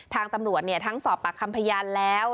ทางตำรวจทั้งสอบปากคำพยานแล้ว